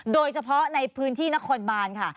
โดยเฉพาะในพื้นที่นครบานค่ะ